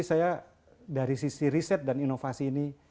saya dari sisi riset dan inovasi ini